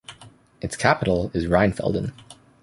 Its capital is Rheinfelden.